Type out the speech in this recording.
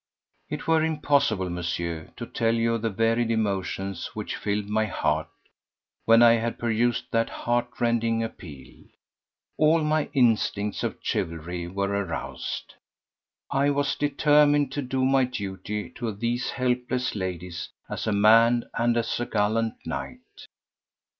It were impossible, Monsieur, to tell you of the varied emotions which filled my heart when I had perused that heart rending appeal. All my instincts of chivalry were aroused. I was determined to do my duty to these helpless ladies as a man and as a gallant knight.